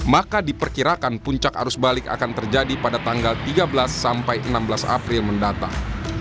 maka diperkirakan puncak arus balik akan terjadi pada tanggal tiga belas sampai enam belas april mendatang